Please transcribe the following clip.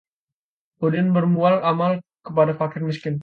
Udin berbuat amal kepada fakir miskin;